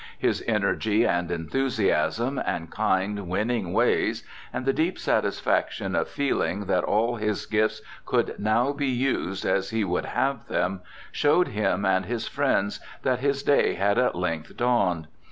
His energy and enthusiasm, and kind, winning ways, and the deep satisfaction of feeling that all his gifts could now be used as he would have them, showed him and his friends that his day had at length dawned.